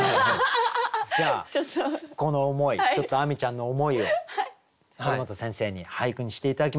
じゃあこの思いちょっと亜美ちゃんの思いを堀本先生に俳句にして頂きましょう。